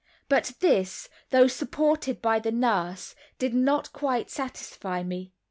But this, though supported by the nurse, did not quite satisfy me.